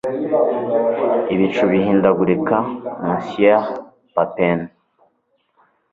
Ibicu bihindagurika Monsieur Popain I